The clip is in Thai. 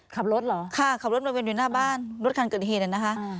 ขับรถเหรอค่ะขับรถมาเวนอยู่หน้าบ้านรถคันเกิดเหตุน่ะนะคะ